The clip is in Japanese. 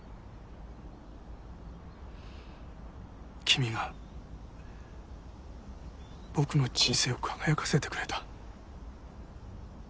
君が僕の人生を輝かせてくれた。